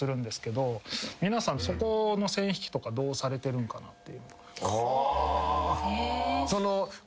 皆さんそこの線引きとかどうされてるんかなって。